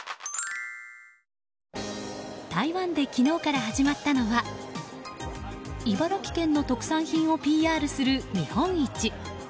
台湾で昨日から始まったのは茨城県の特産品をＰＲする見本市。